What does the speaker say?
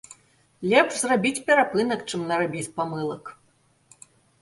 Лепш зрабіць перапынак, чым нарабіць памылак.